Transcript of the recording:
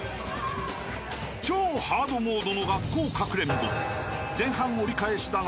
［超ハードモードの学校かくれんぼ］